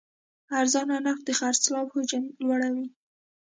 ارزانه نرخ د خرڅلاو حجم لوړوي.